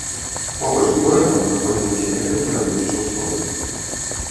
Побач з горадам знаходзілася некалькі радовішчаў солі.